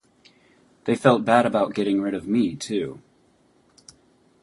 They felt bad about getting rid of me, too.